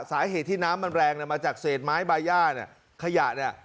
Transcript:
สาเหตุที่น้ำมันแรงเนี่ยมาจากเศษไม้ใบย่าเนี่ยขยะเนี่ย